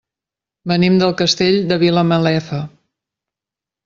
Venim del Castell de Vilamalefa.